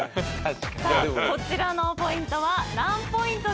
さあこちらのポイントは何ポイントでしょう？